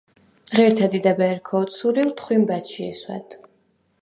ღერთა̈ დიდა̈ბ ერ ქა ოთსურილ, თხვიმ ბა̈ჩჟი ესვა̈დ.